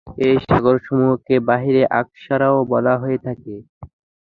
এই সাগরসমূহকে বাহরে আখসারও বলা হয়ে থাকে।